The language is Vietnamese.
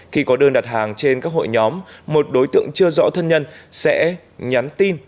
khi có đơn đặt hàng trên các hội nhóm một đối tượng chưa rõ thân nhân sẽ nhắn tin